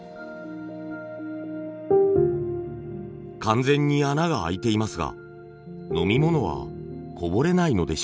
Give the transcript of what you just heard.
完全に穴があいていますが飲み物はこぼれないのでしょうか？